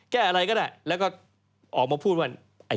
แก้อะไรก็ได้แล้วก็ออกมาพูดว่า